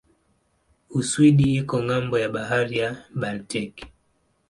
Uswidi iko ng'ambo ya bahari ya Baltiki.